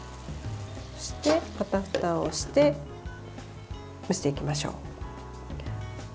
また、ふたをして蒸していきましょう。